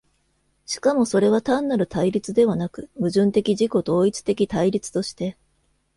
しかもそれは単なる対立ではなく、矛盾的自己同一的対立として、